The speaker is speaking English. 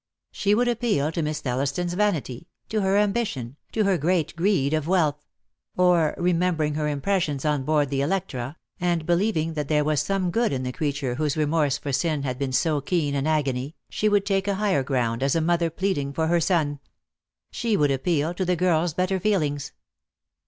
She would appeal to Miss Thelliston's vanity, to her ambition, to her greed of wealth; or remem bering her impressions on board the Electro, and believing that there was some good in the creature whose remorse for sin had been so keen an agony, she would take a higher ground as a mother pleading for her son. She would appeal to the girl's better feelings.